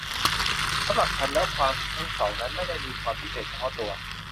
สำหรับฉันแล้วความคิดทั้งสองนั้นไม่ได้มีความพิเศษเฉพาะตัว